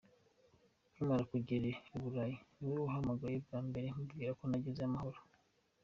Nkimara kugera i Burayi niwe nahamagaye bwa mbere mubwira ko nagezeyo amahoro.